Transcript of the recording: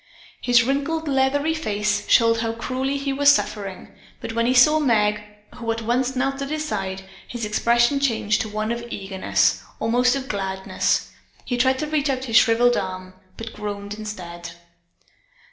His wrinkled, leathery face showed how cruelly he was suffering, but when he saw Meg, who at once knelt at his side, his expression changed to one of eagerness, almost of gladness. He tried to reach out his shriveled arm, but groaned instead.